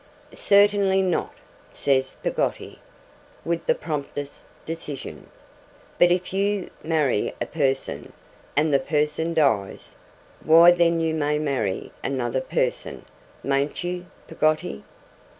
'Certainly not,' says Peggotty, with the promptest decision. 'But if you marry a person, and the person dies, why then you may marry another person, mayn't you, Peggotty?